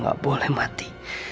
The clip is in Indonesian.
gue gak boleh mati